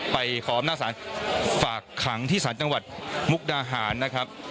ขออำนาจศาลฝากขังที่ศาลจังหวัดมุกดาหารนะครับ